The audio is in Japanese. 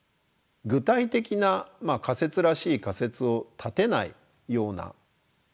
具体的な仮説らしい仮説を立てないような。